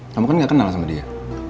kamu kan gak kenal sama dia